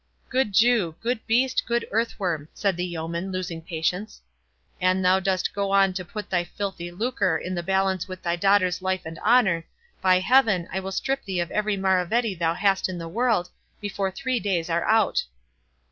"Good Jew—good beast—good earthworm!" said the yeoman, losing patience; "an thou dost go on to put thy filthy lucre in the balance with thy daughter's life and honour, by Heaven, I will strip thee of every maravedi thou hast in the world, before three days are out!"